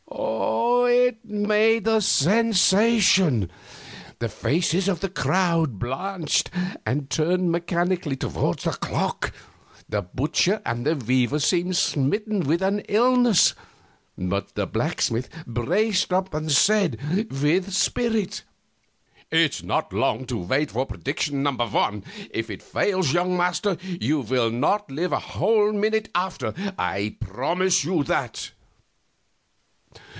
It made a sensation. The faces of the crowd blanched, and turned mechanically toward the clock. The butcher and the weaver seemed smitten with an illness, but the blacksmith braced up and said, with spirit: "It is not long to wait for prediction number one. If it fails, young master, you will not live a whole minute after, I promise you that."